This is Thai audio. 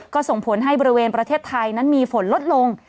ก็ส่งผลให้บริเวณประเทศไทยนั้นมีฝนลดลง